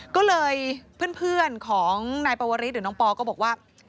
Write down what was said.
ก็เลยเพื่อนของนายปวริสหรือน้องปอก็บอกว่า